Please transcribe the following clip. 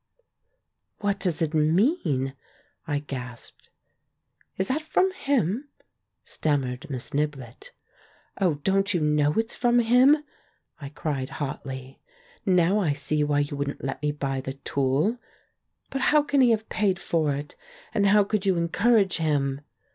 "What does it mean?" I gasped. "Is that from him?" stammered Miss Niblett. "Oh, don't you know it's from him?" I cried hotly. "Now I see why you wouldn't let me buy the tulle! But how can he have paid for it, and how could you encourage him?"